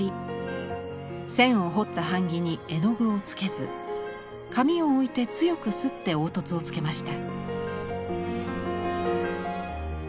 線を彫った版木に絵の具をつけず紙を置いて強く摺って凹凸をつけました。